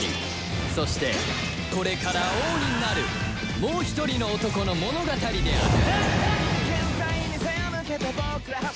そしてこれから王になるもう一人の男の物語である